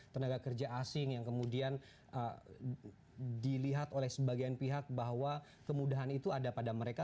tenaga kerja asing yang kemudian dilihat oleh sebagian pihak bahwa kemudahan itu ada pada mereka